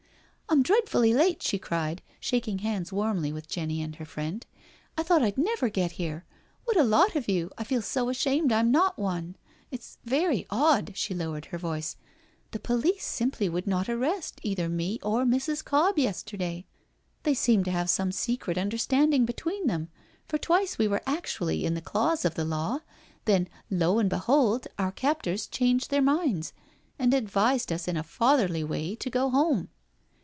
"I'm dreadfully late," she cried, shaking hands warmly with Jenny and her friend. " I thought I'd never get here. What a lot of you I I feel so ashamed I'm not one. It's very odd "— she lowered her voice —" the police simply would not arrest either me or Mrs. Cobbe yesterday. They seemed to have some secret understanding between them, for twice we were actually in the claws of the law, when lo and behold our cajp tors changed their min^s and advised us in a fatherly way to go home."